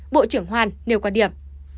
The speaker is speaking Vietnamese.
bộ trưởng hoàn nêu quan điểm